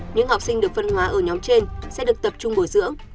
những học sinh được phân hóa ở nhóm trên sẽ được tập trung bồi dưỡng